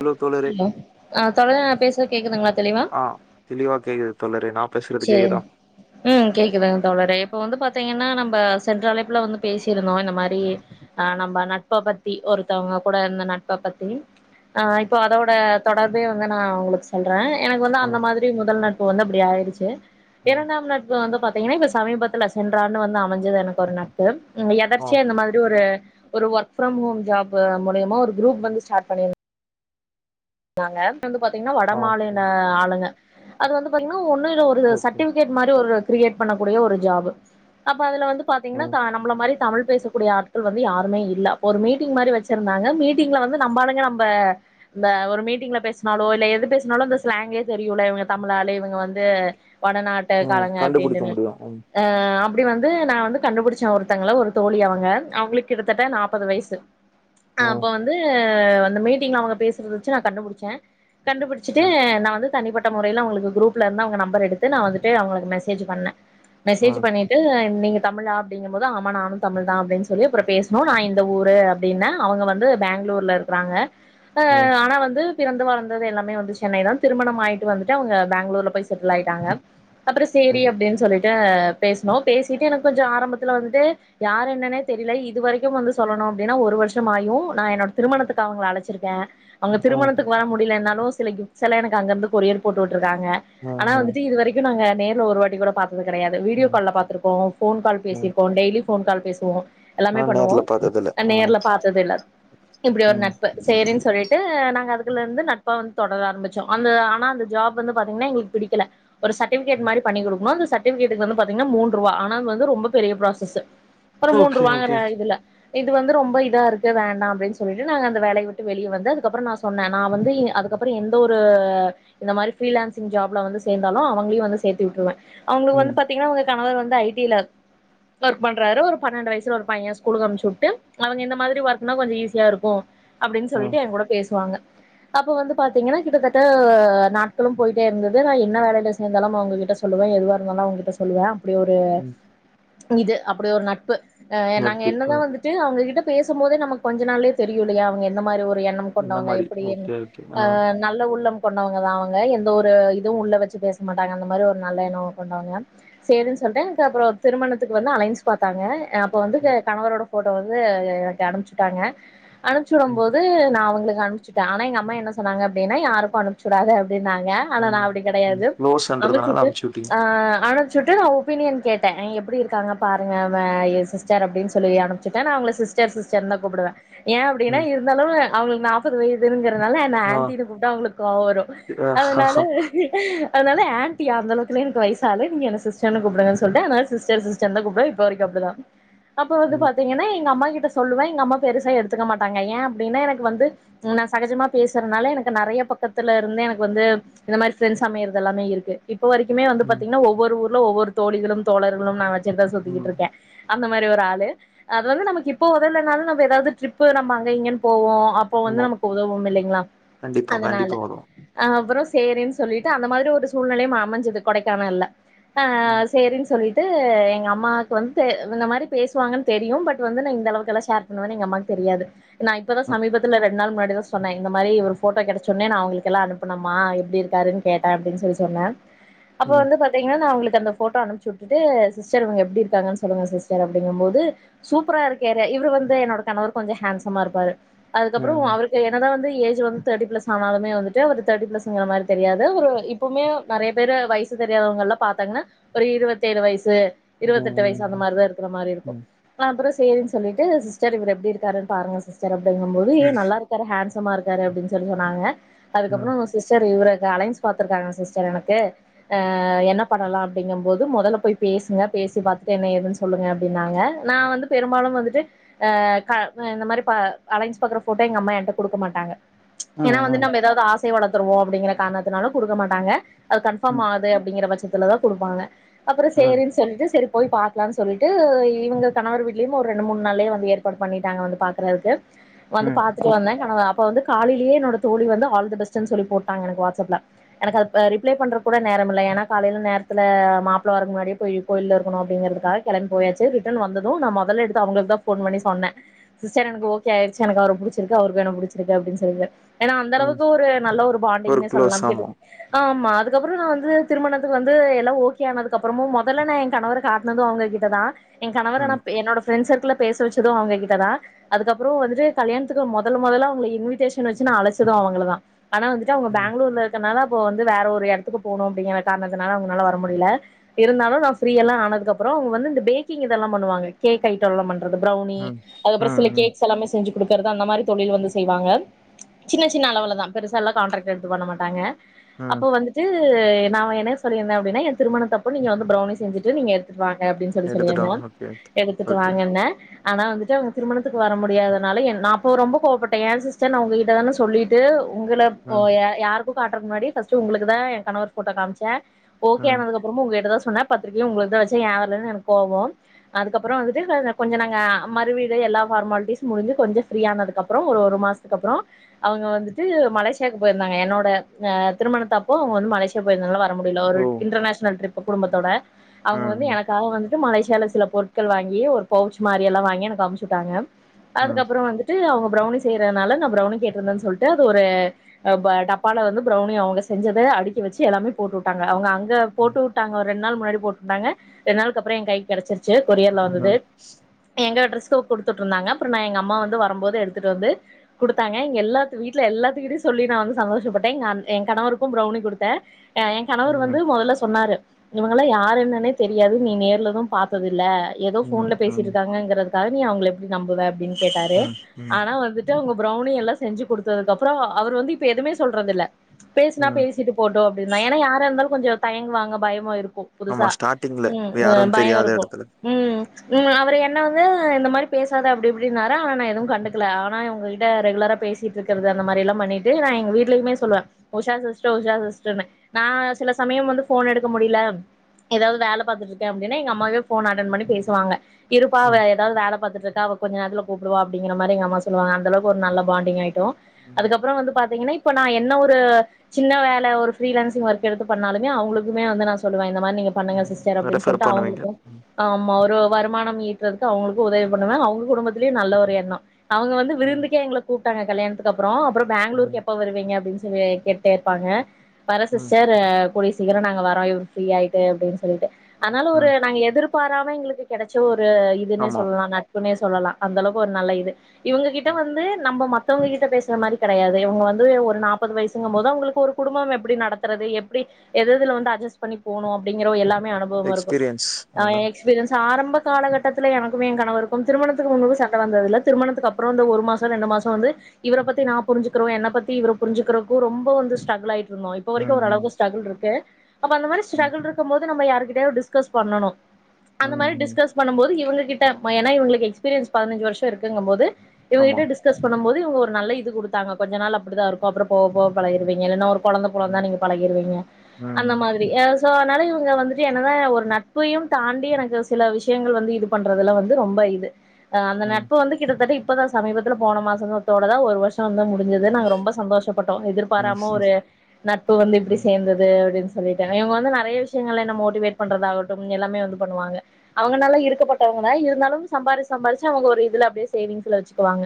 Hello தோழரே hello ஆ தோழரே நா பேசுனு கேக்குதுங்ளா தெளிவா ஆ தெளிவா கேக்குது தோழரே நா பேசுறது செரி கேக்குதா ம் கேக்குதுங் தோழரே இப்ப வந்து பாத்தீங்னா நம் இப்ப சென்ற அழைப்புல வந்து பேசிருந்தோ இந்த மாரி நம்ம நட்ப பத்தி ஒருத்தவங்க கூட இருந்த நட்ப பத்திஆ இப்போ அதோட தொடர்பே வந்து நா உங்ளுக்கு சொல்ற எனக்கு வந்து ஆ அந்த மாதிரி முதல் நட்ப் வந்து அப்டி ஆயிடுசு சி ஆ இரண்டாம் நட்பு வந்து பாத்தீங்கன்னா இப்ப சமீபத்துல சென்ற ஆண்டு வந்து அமைஞ்சது எனக்கு ஒரு நட்பு ஆ எதர்ச்சியா இந்த மாதிரி ஒரு ஒரு ஒர்க் ஃப்ரம் ஹோம் ஜாப் மூலயமா ஒரு குரூப் வந்து ஸ்டாட் பண்ணிருந்த தாங்க வந்து பாத்தீங்கன்னா வட ஆ மாநில ம், ஆளுங்க அது வந்து பாத்தீங்கன்னா வ து ஒரு ஓகே சர்டிபிகேட் மாரி ஒரு கிரியேட் பண்ணக்கூடிய ஒரு ஜாபு அப்போ அதுல வந்து பாத்தீங்கன்னா ம் கா நம்மள மாரியே தமிழ் பேசக்கூடிய ஆட்கள் வந்து யருமே இல்லை அப்ப ஒரு மீட்டிங் மாரி வச்சிருந்தாங்க மீட்டிங்ல வந்து நம்பாளுங்க நம்ம இந்த ஒரு மீட்டிங்ல பேஸ்னாலோ இல்ல எது பேஸ்னாலோ இந்த ஸ்லாங்குலே தெரியுல இவங்தமிழாளு இவங்க வந்து வடநாட்ட ம் காரங்க கண்டுபிடிக்க அப்டின்டுனு முடியு ம் அ அப்டி வந்து து நா வந்து கண்டுபுடிச்ச ஒருத்தங்க ஒரு தோழி அவங்க அவங்களுக்கு கிட்டஸ்தட்ட நாப்பது வய்சு அப்ப ம் வந்து அந்த மீட்டிங்ல அவங்க பேசறது வச்சி நா கண்டுபிடிச்சே கண்டுபிடிச்சிட்டு ம் நா வந்து தனிப்பட்ட முறையில அவங்களுக்கு குரூப்ல இருந்து அவங்க நம்பர் எடுத்து நா வந்துட்டு அவங்களுக்கு மெசேஜ் பண்ண மெசேஜ் ம் பண்ணிட்டு நீங்க தமிழா அப்டிங்க போது ஆமா நானு தமிழ் தா அப்டினு சொல்லி அப்புறோ பேஸ்ணோ நா இந்த ஊரு அப்டின்ன அவங்க வந்து பெங்களூர்ல இருக்காங்க ம் ஆ ஆனா வந்து பிறந்து வளந்தது எல்லாமே வந்து சென்னைதான் திருமணம் அயிட்டு வந்துட்டு அவங்க பெங்களூர்ல போய் செட்டில் ஆயிட்டாங்க அப்புறோ சேரி ம் அப்டின்னு சொல்லிட்டு பேஸ்ணோ பேசிட்டு எனக்கு கொஞ்சோ ஆரம்பத்துல வந்துட்டு யார் என்னன்னே தெரில இது வரைக்கு வந்து சொல்லணோ அப்டின்னா ஒரு வருஷம் ஆயு நா என்னோட திருமணத்துக்கு அவங்கள அழைச்சிருக்கே அவங்க ம் திருமணத்துக்கு வர முடியலனாலு சில கிப்ட்ஸ் எல்லா எனக்கு அங்கிருந்து கொரியர் போட்டுட்டு ருக்காங்க ம் ஆனா ம் வந்துட்டு இது வரைக்கு நாங்க நேர் ஒரு வாட்டி கூட பாத் வ கெடையாது வீடியோ ம் கால்ல பாத்திருப்போ ஃபோன் கால் ம் பேசிர்ப்போ டெய்லி ஃபோன் கால் பேசுவோ எல்லாமே ஆனா பண்ணுவோ நேர்ல பாத்ததில்ல அ ஆ நேர்ல பாத்த தில்ல இப்டி ஒரு ம் நட்பு சேறின்னு சொல்லி அ நாங்க அதுக்குள்ள இருந்து நட்பா வந்து தொடர ஆரம்பிச்சோ அந்த ஆனா அந்த ஜாப் வந்து பாத்தீங்னா எங்குளுக்கு பிடிக்கல ஒரு சட்டிவிகேட் ம் மாரி பண்ணி உடுக்கணு அந்த சட் சட்டிவிக்கெட்டுக்கு வந்து பாத்தீங்னா மூன்ரூவா ஆனால் வந்து ரொம்ப பெரிய புரோசஸ் அப்பரோ ஓகே மூன்ரூவாங்கற ஓகே இதுல இது வந்து ரொம்ப இதா இருக்கு வேண்டா அப்டின்னு சொல்லிட்டு நாங்க அந்த வேலைய விட்டு வெளிய வந்து அது அதுக்கப்புரோ நா சொன்ன நா வந்து இ அதுக்கப்புரோ எந்த ஒரு இந்த மாரி ஃப்ரீலான்சிங் ஜாப்புல வந்து சேந்தாலு அவுங்ளையு வந்து சேர்த்தி விட்டுருவே அவுங்குளுக்கு ம் வந்து பாத்தீங்கனா அவுங்க கணவர் வந்து ஐ டி ல ஒர்க் பண்றாரு ஒரு பனன்ட்டு வயசுல ஒரு பைய ஸ்கூலுக்கு அம்ச்சு உட்டு அவுங்க இந்த மாதிரி ஒர்க்னா கொஞ்சோ ஈஸியா இருக்கோ அப்டின்னு ஆ சொல்ட்டு எ கூட சுவாங்க அப்ப வந்து பாத்தீங்கனா கிட்டத்தட்ட நாட்களும் போயிட்டே இருந்தது நா என்ன வேலைல சேந்தாலும் அவுங்க கிட்ட சொல்லுவே எதுவா இருந்தாலும் அவுங்க கிட்ட சொல்லுவே அப்டி ஒரு ம் இது அப்டி ஒரு நட்பு எ நாங்க நட்பு என்னதா ம் வந்துட்டு அவுங்க கிட்ட பேசும்போதே நமக்கு கொஞ்ச நாள்ளே தெரியு இல்லையா அவுங்க எந்த மாரி ஒரு எ இந்த கொண்டவங்க மாரி எப்பிடி ஓகே ஓகே ஆ நல்ல உள்ளம் கொண்டவங்க தா அவுங்க எந்த ஒரு இதுவு உள்ள வெச்சு பேச மாட்டாங்க அந்த மாரி ஒரு நல்ல எண்ணோ கொண்டவங்க சேரின்னு சொல்ட்டே எனக் அப்பறோ திருமணத்துக்கு வந்து அலையன்சு பாத்தாங்க எ அப்ப வந்து கே ம் கணவரோட போட்டோ வந்து எ எனக்கு அனும்ச்சுட்டாங்க அனும்ச்சி விடும் ம் போது நா அவுங்க ங்க அனும்ச்சுட்டே ஆனா எங்க அம்மா என்ன சொன்னாங்க அப்டினை யாருக்கோ அனும்ச்சுடாத டின்னாங்க ஆனா நா ம் அப்டி ம் கெடையாது க்ளோஸ்ன்றதுனால அமச்சுட்டு அமுச்சு விட்டீங்க ஆ ஆன சுட்ட நா ஒப்பீனியன் கேட்டே ஆ எப்பிடி இருக்காங்க பாருங்க வா ஏ சிஸ்டர் அப்டின்னு சொல்லி அனும்ச்சுட்டே நா அவுங்ள சிஸ்டர் சிஸ்டர்ந்தா கூப்பிடுவே ஏ அப்டினா ம் இருந்தாலு அவுகுளுக்கு நா த்து இது இருங்க றதனால என்ன ஆ ஆண்ட்டின்னு கூப்ட்ட அவுங்குளுக்கு கோவரோ அதனால ஆ அதனால ஆண்ட்டியா அந்தளவுக்குலே எனக்கு வயசால நீங்க என்ன சிஸ்டர்ன்னு கூப்டுங்கன்னு சொல்ட்டே அதுனால சிஸ்டர் சிஸ்டர்தா கூப்பிடவ இப்ப வரைக்கு அப்டிதா அப்ப வந்து ம் பாத்தீங்கனா எங்க அம்மா கிட் த சொல்லுவே எங்க அம்மா பெருசா எடுத்துக்க மாட்டாங்க ஏ அப்டினா எனக்கு வந்து உ நா சகஜமா பேசறனால எனக்கு நெறைய பக்கத்துல இருந்தே எனக்கு வந்து இந்த மாரி ஃப்ரெண்ட்ஸ் அமையறதெல்லாமே இருக்கு இப்ப வரைக்குமே வந்து ம் பாத்தீங்னா ஒவ்வொரு ஒ ஒவ்வொரு தோழிகளு தோழர்களும் நா வெச்சிட்டு தா சுத்திக்கிட்டு ம் இருக்கே அந்த மாரி ஒரு ஆள்ளு அது வந்து நமக்கு இப்போ உதவுலேனாலு நம்ம ஏதாவது ட்ரிப்பு நம்ம அங்க இங்கன்னு போவோ அப்போ ஆமா வந்து நமக்கு உதவும் இல்லைங்களா கண்டிப்பா அதனால கண்டிப்பா வரு ஆ அப்புறோ சேரின்னு சொல்லிட்டு அந்த மாரி ஒரு சூழ்நிலையையும் அமைஞ்சது கொடைக்கானல்ல ஆ ம் செரின்னு சொல்லி ட்டு எங்க அம்மாவுக்கு வந்து இந்த மாதிரி பேசுவாங்கன்னு தெரியு பட் வந்து நா இந்த அளவுக்கெல்லா ஷேர் பண்ணுவேன்னு எங்க அம்மாக்கு தெரியாது நா இப்பதா ம் சமீத்துல ரெண்டு நாள் முன்னா டிதா சொன்னே இந்த மாரி ஒரு போட்டோ கெடச்சோனே நா அவங்களுக்குல்லா அனுப்பனணமா எப்படிக்காருன்ன கேட்டே அப்படின்னு சொல்லி சொன்னேன் அப்ப ம் வந்து பாத்தீங்கன்னா நா அவங்களுக்கு அந்த போட்டோ அனுப்பச்சி விட்டுட்டு சிஸ்டர் இங்க எப்பிடி இருக்காங்கன்னு சொல்லுங்க சிஸ்டர் அப்படிங்கும் போது சூப்பரா இருக்காரு இவரு வந்து என்னோட கணவர் கொஞ்சு ஹன்சமா இருபாரு அதுக்கப்புறோ ம் அவருக்கு ஏனதா வந்து ஏஜ் வந்து தேர்ட்டி ப்ளஸ் ஆனாலுமே வந்துட்டு அவர் தேர்ட்டி பிளஸ்ங்கிற மாதிரி தெரியாது ஒரு இப்பவுமே நறைய பேர் வயசு தெரியாதவங்கலா பாரத்தாங்கன்னா ஒரு இருபத்தேழு வயசு இருபத்தெட்டு வயசு அந்த ம் மாதிரிதா இருக்கிற மாரி ம் இருக்கு ம் அப்புறோ சேரின்னு சொல்லிட்டு சிஸ்டர் இவர் எப்படி இருக்காரு பாருங்க சிஸ்டர் அப்படி தொடங்கு போது ஏ நல்லா இருக்கு ஏன்சமாக இருக்காரு அப்பிடின்னு சொல்லி சொன்னாங்க ம் அதுக்கப்புறோ சிஸ்டர் இவர அலைன்ஸ் பத்திருக்காங்க சிஸ்டர் எனக்கு என்ன பண்ணலா அப்படிங்கும்பது முதல்ல போய் பேசுங்க பேசி பாத்துட்டு என்ன எதுன்னு சொல்லுங்கப்படின்னு நாங்க நா வந்து பெரும்பாலு வந்துட்டு டு க இந்த மாரி ப அலைன்ஸ் பாக்குற போட்டோ எங்க அம்மா குடுக்க மாட்டாங்க ம் ஏன்னா வந்து ம் நம்ம ஏதாவது ஆச ஆசைய வளர்த்தருவோ அப்படிங்கிற காரணத்தினால குடுக்க மாட்டாங்க அது கன்பார்ம் ம் ஆது அப்படிங்கிற பச்ச அதுல தா குடுப்பாங்க அப்புறோ ம் சேரின்னு சொல்லிட்டு சேரி போய் பாக்கலான்னு சொல்லிட்டு இவங்ககணவர் வீட்லயு ஒரு ரெண்டு மூணு நாள்ளேயே வந்து ஏற்பாடு பண்ணிட்டாங்க வந்து பாக்குறதுக்கு வந்து உம் பாத்துட்டு வந்தே அப்ப வந்து காலையிலயே என்னோட தோழி வந்து ஹால்த பேஸ்ட் சொல்லி போட்டாங்க வாட்ஸ் ஆப்ல அதுக்கு ரிப்லே பண்ரதுக்கு கூட நேரம்மில்லா காலையில நேரத்துல மாப்பிள வரக்கு முன்னாடியே போயி கோயில்ல இருக்கனு அப்பிடிங்கருதுக்காக கெளம்பி போயாச்சி ரிடன் வந்தது நா மொதல் எடுத்து அவங்களுக்கு தா நா போன் பன்னி சொன்னெ சிஸ்டர் எக்கு ஓக்கே ஆகிடுச்சு எனக்கு அவர புடிச்சி ருக்கு அவருக்கு என்ன புடிச்சிருக்க அப்பின்னு சொல்லிட்டு ஏன்னா அந்த ம். அளவுக்கு ஒரு நல்ல ஒரு பாண்டிங்ன்ன க்ளோஸ் சொல்லலாம் ஆமா கேட்டது ஆ ஆமா அது அதுக்கப்புறம் நா வந்து திருமணத்துக்கு வந்து எல்லா ஓகே ஆனதுக்கப்புறமு மொதல்ல நா எங் கணவர காட்டுனது அவங்க கிட்டதா எ கணவர நா ம் என்னோட ஃப்ரண்ட் ஸர்க்கிள பேச வச்சது அவங்ககிட்டதா அதுக்கப்பறொ வந்துட்டு கல்யாணத் துக்கு மொதல் மொதல்லா அவங்கள இன்விட்டேஷன் வச்சு நா அழைச்சது அவங்களதா ஆனா வந்துட்டு அவங்க ம் பெங்களூர்ல இருக்கனால ப்போ வந்து வேற ஒரு எடத்துக்கு போனும் அப்படிங்கிற காரணத்துனால அவங்னால வர முடியல இருந்தாலு நா ஃப்ரியெல்லா ஆனதுக்கப்பறொ வந்து இந்த பேக்கிங் இதெல்லா பண்ணுவாங்க கேக் ஐட்டோல்லா பண் றது ப்ரௌனி ம் அதுப்பறொ சில ம் ம் கேக்ஸ் எல்லாமே செஞ்சு குடு அந்த மாரி தொழில் வந்து செய்வாங்க சின்ன சின்ன அளவுலதா பெருசாலா கான்ட்ரக்ட் எடுத்து பண்ண மாட்டாங்க ம் அப்போ வந்துட்டு டு நா என்ன சொல்லியிருந்த அப்டினா எ திருமணத்தப்போ நீங்க வந்து ப்ரௌனி செஞ்சுட்டு நீங்க எடுத்துட்வாங் க அப்டின் சொல்லி எடுத்துட்டோ சொல்லியிருந்த ஓகே ஓகே எடுத்துட்டு ஓகே வாங்கன்ன ஆனா வந்துட்டு அவங்க திருமண த்துக்கு வர முடியாதனால என் நா அப்போ ரொம்போ கோவப்பட்டே ஏன் சிஸ்டர் நா ஒங்ககிட்ட தானே சொல்லிட்டு ஒங்கள போ ம் யா யாருக்கு காட்றக்கு முன்னாடி ஃபஸ்ட் உங்களுக்குதா எ கணவர் ஃபோட்டோ காம்ச்ச ஓகே ம் ஆனதுக்கப்புறமு உங்க கிட்டதா சொ சொன்ன பத்திரிக்கையு உங்களுக்குதா வச்சே ஏ வர்லனு எனக்கு கோவோம் அதுப்பறோ வந்துட்டு நான கொஞ்சொ நாங்க மறுவீடு எல்லா பார்மாலிட்டிஸ் முடிஞ்சு கொஞ்சம் ஃப்ரீயானதுக்கப்புறொ ஒரு மாசத்துக்கப்பறொ அவங்க வந்துட்டு மலேசியாவுக்கு போயிருந்தாங்க என்னோட அ திருமணத்தப்போ அவங்க வந்து மலேசியா போயிருந்ததுனாலா வர முடியல ஒரு ஓ இன்டர்நேஷனல் ட்ரிப்பு குடும்பத்தோட அவங்க ம் வந்து ம் எனக்காக வந் து மலேசியால சில பொருட்கள் வாங்கி ஒரு பவுச் மாரி எல்லா வாங்கி எனக்கு அமுச்சுட்டாங்க ம் அதுக்கப்பறொ வந்து அவங்க பிரௌனி செய்றனால நா ப்ரௌனி கேட்டுருந்தன் சொல்ட்டு அது ஒரு அ ப டப்பால வந்து ப்ரௌனி அவங்க செஞ்சத அடிக்கி வச்சு எல்லாமே போட்டு வுட்டாங்க அவங்க அங் க போட்டு வுட்டாங்க ரெண்டு நாள் முன்னாடி போட்டுட்டாங்க ரெண்டு நாளுக்கப்பறொ எ கை கெடச்சிரு ச்சு கொரியர்ல வந்துது ம் எங்க அட்ரஸ் ஸு குடுத்துட்டு இருந்தாங்க அப்பறொ நா எங்க அம்மா வந்து வரம் போது எடுத்துட்டு வந்து குடுத்தாங்க இங்க எல்லாத் வீட்டுல எல்லாத்துக்கிட்டயு சொல்லி நா வந்து சந்தோஷப்பட்டே எங் அண் எ கணவருக்கும் ப்ரௌனி குடுத்தே அ எ கணவர் ம் வந்து ம் மொதல்ல சொன்னாரு இவங்களா யாரு என்னன்னே தெரியாது நீ நேர்லதும் பார்த்தது இல்ல எதோ ம் ஃபோன்ல ம் பேசிட்டுருக்காங்கிறது க்காக நீ அவங்கள எப்டி நம்புவ அப்டின் உம் ம் வந்துட்டு அவங்க பிரௌனி எல்லா செஞ்சு குடுத்ததுக்கப்பறொ அவர் வந்து இப்ப எதுவுமே சொல்றது இல்ல பேசுனா ம் பேசிட்டு போட்டு அப்படின்தா ஏனா யாரா இருந்தாலு கொஞ்சொ தயங்குவாங்க பயமு இருக் போ ஆமா புதுசா ஸ்டார்ட்டிங்ல உம் உ யாரு பயோ தெரியாத இருக்கு எடத்துல உம் உம் அவரு என்ன வந்து இந்த மாரி பேசாத அப்படி இப்படினாரா நா எதுவும் கண்டு ல ஆனா உங்க கிட்ட ரெகுலரா பேசிட்டு இருக்கிறது அந்த மாரி எல்லாம் பண்ணிட்டு நா எங்க வீட்டுலயுமே சொல்லுவ உஷா சிஸ்டர் உஷா சிஸ்டர்னு நா சில சமயம் வந்து போன் எடுக்க முடியல எதாவது வேல பாத்துட்டு இருக்க அப்படினா எங்க அம்மாவே போன் அட்டன் பண்ணி பேசுவாங்க இருப்பா ம் எதாவது வேல பாத்துட்டு இருக்கா அவ கொஞ்ச நேரத்துல கூப்புடுவா அப்பங்கிற மாரி அம்மா சொல்லுவாங்க அந்தளவுக்கு ஒரு நல்ல பாண்டிங்காயி ருந்தோ ம் அதுக்கப்புறோ வந்து பாத்தீங்கன்னா இப்ப நா என்ன ஒரு சின்ன வேல ஒரு ஃப்ரீ லான்சிங் ஒர்க் எடுத்து பண்ணாலுமே அவுங்களுக்குமே வந்து நா சொல்லுவ இந்த மாரி நீங்க பண்ணுங்க ம் சிஸ்டர் அப்படின்னு ரெஃபர் சொல்ட்டு பண்ணுவீங்க அவங்களுக்கு ம் ஆமா ஒரு வருமானம் ஈட்டறதுக்கு அவுங்களுக்கு உதவி பண்ணுவ அவுங்க குடும்பத்திலயு நல்ல ஒரு எண்ணோ அவுங்க வந்து ம் விருந்துக்கே எங்கள கூப் பிட்டாங்க கல்யாணத்து க்கு அப்புறோ அப்புறோ ம் பெங்களூருக்கு எப்ப வருவீங்க அப்டின்னு இவிய கேட்டே இருப்பாங்க பர ம் சிஸ்டர் அ போலீஸ் சீக்கிரோ நாங்க வரோ இவர் ஃப்ரீயாயிட்டு அப்டின்னு சொல்ட்டு அதனால ஒரு ம் நாங்க எதிர்ப் பாராம எங்களுக்கு கெடைச்சூர் து இதுனே ஆமா சொல்லா நட்புனே சொல்லலா அந்த அளவுக்கு ஒரு நல்ல இது இவங்க கிட்ட ம். வந்து நம்ம மத்தவங்க கிட்ட பேசுற மாரி கெடையாது இவங்க வந்து ஒரு நாற்பது வயசுங்கும்போது அவங்களுக்கு ஒரு குடும்பம் எப்படி நடத்துறது எப்படி எததுல வந்து அட்ஜஸ் பண்ணி போணு அப்படிங்கிற ஒரு எல்லா மே அனுபவம் இருக்கு எக்ஸ்பீரியன்ஸ் எ அதான். எக்ஸ்பீரியன்ஸ் ஆரம்ப காலகட்டத்தில எனக்குமே கணவருக்கும் திருமணத்துக்கு முன்பு சண்ட வந்தது இல்ல திருமணத்துக்கு அப் புறோ ஒரு மாசோ ரெண்டு மாசோ வந்து இவர பத்தி நா புரிஞ்சுக்கிற எ பத்தி புரிஞ்சுகிறதுக்கு ரொம்போ வந்து ஸ்ட்ரகுள் ஆயி ட்டு இருந்தோ இப்போ ம், வரைக்கு ஒரு ம், அளவுக்கு ஸ்ட்ரக்ள் இருக்கு அப்ப அந்த மாரி ம், ஸ்ட்ரகுள் இருக்கும்போது வந்து நம்ம யாருகிட்டயாவது டிஸ்கஸ் பண்ணணு அந்த ம், மாரி ம். டிஸ்கஸ் பண்ணும்போது இவங்க கிட்ட ஏனா இவங்களுக்கு எக்ஸ்பீரியன்ஸ் பதினஞ்சு வருஷோ இருக்கும்போது ஆமா. இவங்ககிட்ட டிஸ்கஸ் பண்ணும்போது இது ஒரு நல்ல இது குடுத்தாங்க கொஞ்ச நாள் அப்படிதா இருக்கு அப்பறோ போக பழகிருவீங்க இல்லனா ஒரு கொழந்த பொறந்தா ம், நீங்க பழகிருவீங்க அந்த ம், மாதிரி எஸ் சோ அதனால இவங்க வந்துட்டு என்னதா ஒரு நட்பையுந்தாண்டி எனக்கு சில விஷ்யங்கள் வந்து இது பண்றதுல வந்து ரொம்ப இது ஹ அந்த ம், ம், நட்பு வந்து கிட்டத்தட்ட இ ப்பதான் சமீபத்துல போன மாசத்தோட தா ஒரு வருஷம் வந்து மு ஞ்சது நா ரொம்ப சந்தோஷப்பட்டோ எதிர்பாராம ஒரு நட்பு வந்து இப்டி ம், சேந்தது அப்டின்னு சொ சொல்லிட்டாங் இவங்க வந்து நெறைய விஷயங்கள்ல என்ன மோட்டிவேட் பண்றதாகட்டும் எல்லாமே வந்து பண்ணுவாங்க அவங்க நல்லா இருக்கப்பட்டவங்கதா இருந்தாலும் சம்பார்ச்சி சம்பார்ச்சி அவூங்க ஒரு இதுல அடியே சேவிங் சில வெச்சுக்குவாங்க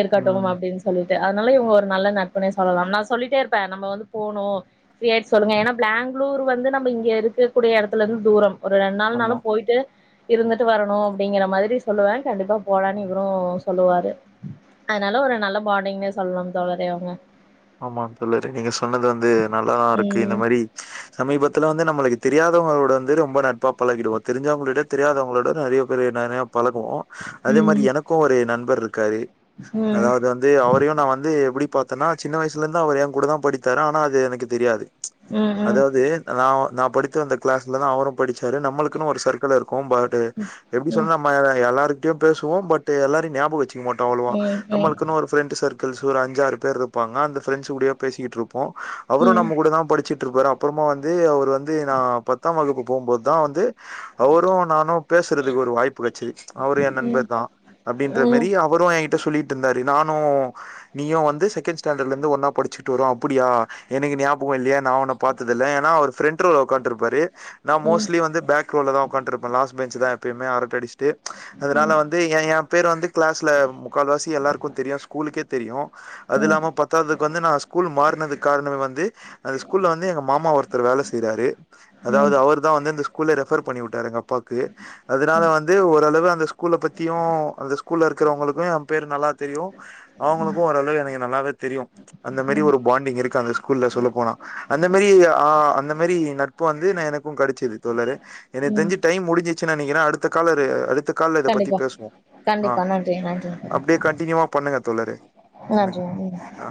இருக்கட்டும் ம். அப்டின்னு சொல்லிட்டு அதனால இவங்க ஒரு நல்ல நட்ப புனே சொல்லலாம் நா சொல்லிட்டே இருப்பே நம்ம வந்து போனோம் ஃப்ரீயிட்டு சொல்லுங்க ஏன்னா பேங்களூர் வந்து நம்ம இங்க இருக்கக்க கூடிய எடத்துல இருந்து தூரம் ஒரு ரெண்டு ஆமா. நாள்னாலும் போயிட்டு இருந்துட்டு வரணு அப்டிங்கிற மாரி சொல்லுவே கண்டிப்பா போலனு ம். இவரு சொல்லுவாரு அதனால ஒரு நல்ல பாண்டிங்னே சொல்லனும் தோழறே அவுங்க ஆமா தோழரே நீங்க சொன்னது வந்து நல்லாதா இருக்கு இந்த ம் மாரி சமீபத்துல வந்து நம்மளுக் தெரியாதவங்களோட வந்து ரொம்ப நட்பாக பழகிடுவோ தெரிஞ்சவங்களோட தெரியாதவங்களோட நெறைய பேர் நெறைய பழகுவோ அதே மாரி ம் எனக்கும் ஒரு நண்ப பர் இருக்கரு ம் அதாவது வந்து அவரையும் நா வந்து எப்படி பத்தன்னா சின்ன வயசலருந்து அவர் என் கூட தா படித்தாரு ஆனா அது எனக்கு தெரியாது ம் ம் ம் அதாவது நான் நான் படித்து வந்த கிளாஸ்ல தா அவரும் படிச்சாரு நம்மளுக்குன்னு ஒரு சர்க்கிள் இருக் கோ பட் எப்டி ம் சொன்னா நம் எல்லாருக்கும் கிட்டயு பேசுவோ பட் எல்லாரையு ஞாபகோ வெச் கமட்டோ அவ்வளவா ம் ம் ம் ம் ம் ம் ம் நம்மளுக்குன்னு ஒரு ஃபிரண்ட் சர்க் சூ அஞ்சாறு பேர் இரப் பாங்க அந்த ஃபிரண்ட்ஸ் கூடயே பேசிக்கிட்டு இரு போ அவரும் நம்ம கூட தா படிச்சுட் டு இருப்பாரு அப்புறமா வந்து அவர் வந்து நா பத்தாம் வகுப்பு போகும்போது தா வந்து அவரோ நானு பேசுறதுக்கு ஒரு வாய்ப்பு கேடச்சிது அவரு என் நண்பர் தா அப்டின்ற மாரி அவரு என் சொல்லிட்டு இருந்தாரு நானு நீயும் வந்து செகண்ட் ட் ஸ்டாண்டர்ட்ல ஒன்னா படிச்சுட்டு வரோ அப்டியா எனக்கு ஞாபகோ இல்லயே நா உன்ன பாத்தில்ல ஏன்னா அவரு ஃப்ரண்ட் ரோல்ல ஒக்காண்டிருப்பாரு நா மோஸ்லி வந்து பேக்ரேல தா ஒக்காண்டிருப்பே லாஸ்ட் பேக் பெஞ்சி தா எப்பயுமே அரட்ட அடிச்சிட்டு அதனால ம் வந்து எயா எயா பேரு வந்து கிளாஸ்ல முக்கால் வாசி எல்லாருக்கும் தெரியு ஸ்கூலுக்கே தெரியு அது இல்லாம க்கு வந்து நா ஸ்கூல் மாறனது காரணமே வந்து அந்த ஸ்கூல்ல வந்து எங்க மாமா ஒருத்தர் வேலை செய்றரு அதாவது அவர் தா வந்து அந்த ஸ்கூல ரெபர் பண்ணி விட்டாரு எங்கப்பா அதனால வந்து ஓரளவு அந்த ஸ்கூல்ல பத்தியு அந்த ஸ்கூல்ல இருக்கிறவங்களுக்கு என் பேரு நல்லா தெரியு அவங்களுக்கு ஓரளவு எனக்கு நல்லாவே தெரியு அந்த மாரி ஒரு பாண்டிங் இருக்கு அந்த ஸ்கூல்ல சொல்ல போனா அந்த மாரி ஆஹ் அந்த அ மாரி நட்பு வந்து நா எனக்கு கெடைச்சது தோலரே ம் எனக்கு ம் ம் தெஞ்சு டைம் முடிஞ்சிச்சு நெனைக்கிற அடுத்த காலரு அடுத்த கால்ல இத பத்தி கண்டிப்பா பேசுவோ ஆஹ் கண்டிப்பா நன்றி நன்றி அப்டியே கன்ண்டனியூவா பண்ணுங்க தோழரே நன்றி எனக்கு ம் ஆ